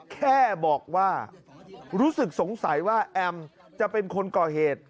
แค่บอกว่ารู้สึกสงสัยว่าแอมจะเป็นคนก่อเหตุ